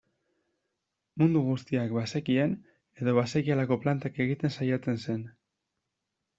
Mundu guztiak bazekien edo bazekielako plantak egiten saiatzen zen.